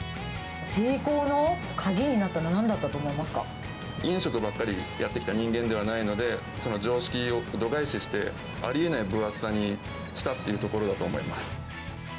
成功の鍵になったのはなんだ飲食ばっかりやってきた人間ではないので、その常識を度外視して、ありえない分厚さにしたっていうところだと思います。